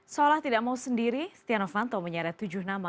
seolah tidak mau sendiri setia novanto menyeret tujuh nama